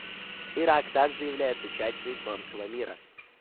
Ирак также является частью исламского мира.